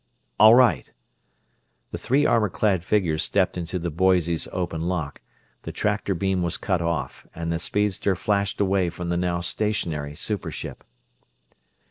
"All right." The three armor clad figures stepped into the Boise's open lock, the tractor beam was cut off, and the speedster flashed away from the now stationary super ship.